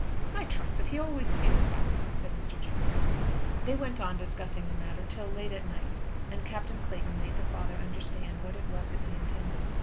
"I trust that he always feels that," said Mr. Jones. They went on discussing the matter till late at night, and Captain Clayton made the father understand what it was that he intended.